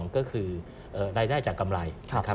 ก็คือรายได้จากกำไรนะครับ